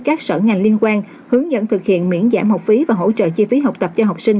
các sở ngành liên quan hướng dẫn thực hiện miễn giảm học phí và hỗ trợ chi phí học tập cho học sinh